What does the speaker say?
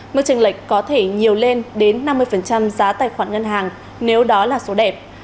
mức tranh lệch có thể nhiều lên đến năm mươi giá tài khoản ngân hàng nếu đó là số đẹp